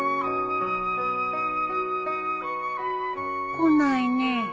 来ないねえ。